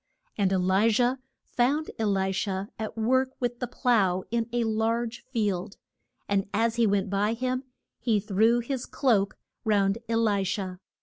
And E li jah found E li sha at work with the plough in a large field. And as he went by him he threw his cloak round E li sha.